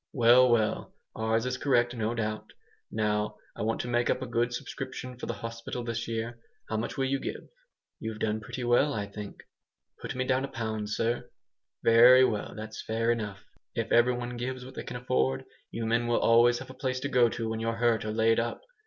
"Well, well! Ours is correct, no doubt. Now I want to make up a good subscription for the hospital this year. How much will you give? You've done pretty well, I think." "Put me down a pound, sir." "Very well, that's fair enough. If every one gives what they can afford, you men will always have a place to go to when you're hurt or laid up.